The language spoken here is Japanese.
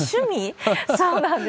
そうなんです。